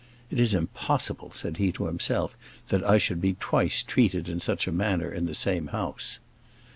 "It is impossible," said he to himself, "that I should be twice treated in such a manner in the same house."